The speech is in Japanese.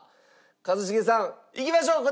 一茂さんいきましょう。